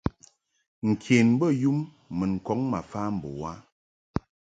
Nken bey um mun kɔŋ mfa mbo u a.